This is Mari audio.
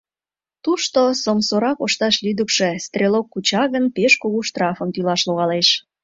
Тушто сомсора кошташ лӱдыкшӧ: стрелок куча гын, пеш кугу штрафым тӱлаш логалеш.